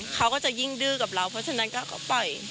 เขาก็จะยิ่งดื้อกับเราเพราะฉะนั้นก็ปล่อย